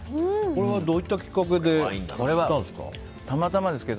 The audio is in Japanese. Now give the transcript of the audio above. これはどういったきっかけで知ったんですか？